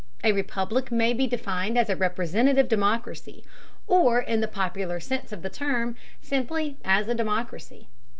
A republic may be defined as a representative democracy, or, in the popular sense of the term, simply as a democracy.